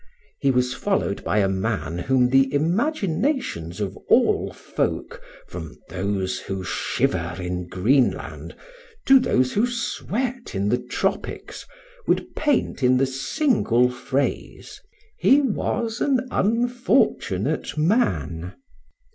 He was followed by a man whom the imaginations of all folk, from those who shiver in Greenland to those who sweat in the tropics, would paint in the single phrase: He was an unfortunate man.